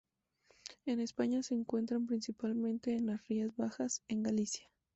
En España se encuentran principalmente en las Rías Bajas, en Galicia.